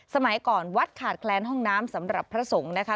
สมัยก่อนวัดขาดแคลนห้องน้ำสำหรับพระสงฆ์นะคะ